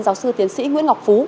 giáo sư tiến sĩ nguyễn ngọc phú